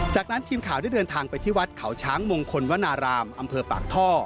จากนั้นทีมข่าวได้เดินทางไปที่วัดเขาช้างมงคลวนารามอำเภอปากท่อ